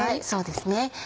そうですね